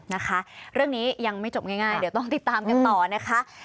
นะคะเรื่องนี้ยังไม่จบง่ายเดี๋ยวต้องติดตามกันต่อนะคะ